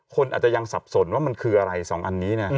คนอาจจะยังสับสนว่ามันคืออะไร๒อันนี้